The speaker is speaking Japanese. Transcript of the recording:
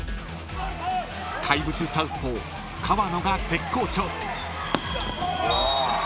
［怪物サウスポー川野が絶好調］